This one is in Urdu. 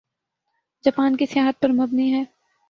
جاپان کی سیاحت پر مبنی ہے